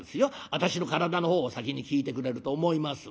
私の体の方を先に聞いてくれると思いますわよ」。